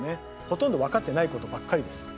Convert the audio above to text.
ほとんど分かってないことばっかりです。